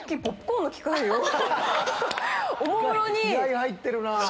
気合入ってるなぁ！